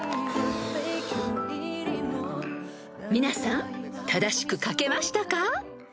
［皆さん正しく書けましたか］